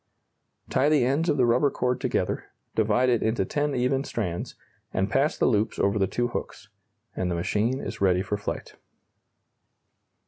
Tie the ends of the rubber cord together, divide it into ten even strands, and pass the loops over the two hooks and the machine is ready for flight.